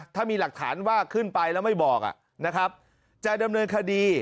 ถ้ามีหลักฐานว่าขึ้นไปแล้วไม่บอกนะครับจะดำเนินคดี